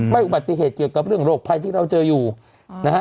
อุบัติเหตุเกี่ยวกับเรื่องโรคภัยที่เราเจออยู่นะฮะ